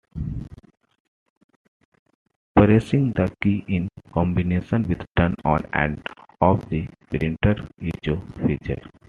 Pressing the key in combination with turns on and off the "printer echo" feature.